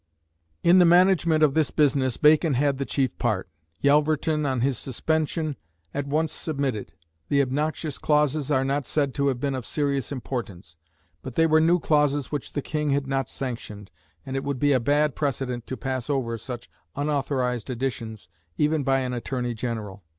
In the management of this business Bacon had the chief part. Yelverton, on his suspension, at once submitted. The obnoxious clauses are not said to have been of serious importance, but they were new clauses which the King had not sanctioned, and it would be a bad precedent to pass over such unauthorised additions even by an Attorney General.